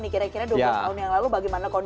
kira kira dua belas tahun yang lalu bagaimana kondisi